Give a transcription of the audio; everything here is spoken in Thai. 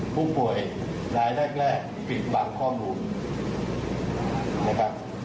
ผู้ป่วยรายแรกปิดบังข้อมูลนะครับ